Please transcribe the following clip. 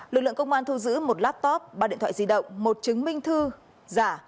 lực lượng công an thu giữ một laptop ba điện thoại di động một chứng minh thư giả